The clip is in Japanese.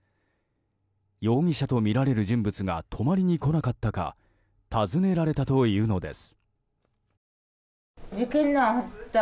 容疑者とみられる人物が泊まりに来なかったか尋ねられたというのです。